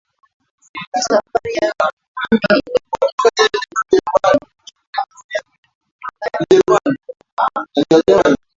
Safari ya kurudi ilikuwa ngumu ilichukua muda mrefu kutokana na mwelekeo wa upepo